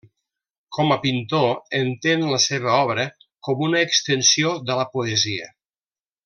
Com a pintor, entén la seva obra com una extensió de la poesia.